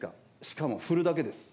しかも振るだけです。